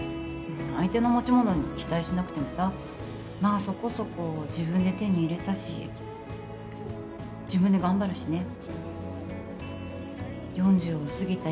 相手の持ち物に期待しなくてもさまあそこそこ自分で手に入れたし自分で頑張るしね４０をすぎた